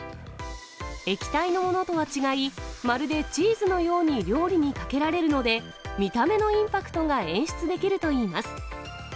液体のものとは違い、まるでチーズのように料理にかけられるので、見た目のインパクトが演出できるといいます。